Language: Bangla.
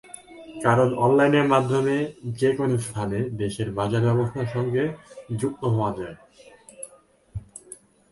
কারণ, অনলাইনের মাধ্যমে যেকোনো স্থান থেকে দেশের বাজারব্যবস্থার সঙ্গে যুক্ত হওয়া যায়।